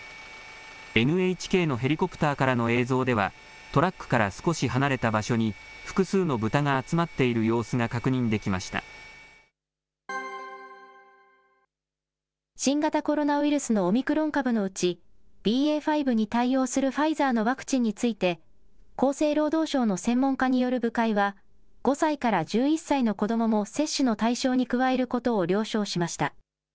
ＮＨＫのヘリコプターからの映像では、トラックから少し離れた場所に複数の豚が集まっている様子新型コロナウイルスのオミクロン株のうち、ＢＡ．５に対応するファイザーのワクチンについて、厚生労働省の専門家による部会は、５歳から１１歳の子どもも接種の対象に加えることを了承しました。